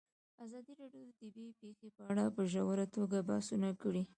ازادي راډیو د طبیعي پېښې په اړه په ژوره توګه بحثونه کړي.